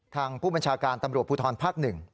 ทางผู้ประชาการตำรวจภูทรภักดิ์หนึ่ง